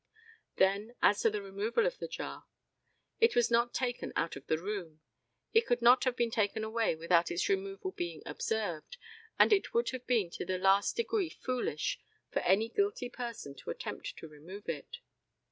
Then, as to the removal of the jar. It was not taken out of the room. It could not have been taken away without its removal being observed, and it would have been to the last degree foolish for any guilty person to attempt to remove it.